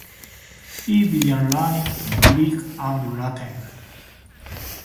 He began learning Greek and Latin.